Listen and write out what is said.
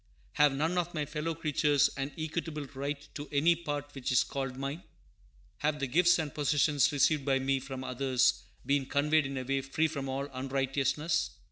Have none of my fellow creatures an equitable right to any part which is called mine? Have the gifts and possessions received by me from others been conveyed in a way free from all unrighteousness?